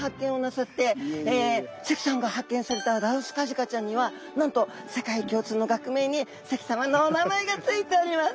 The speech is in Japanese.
関さんが発見されたラウスカジカちゃんにはなんと世界共通の学名に関さまのお名前が付いております。